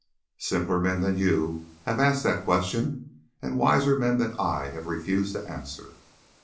"Simpler men than you have asked that question, and wiser men than I have refused to answer.